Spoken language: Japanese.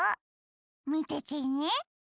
みててね。